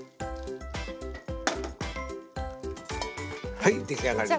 はい出来上がりです。